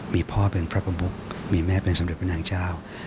มีพ่อเป็นพระประมุกมีแม่เป็นสมเด็จพระนางเจ้า